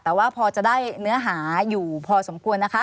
แต่ว่าพอจะได้เนื้อหาอยู่พอสมควรนะคะ